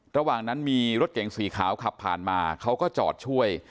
ระหว่างนั้นมีรถเก่งสีขาวขับผ่านมาเขาก็จอดช่วย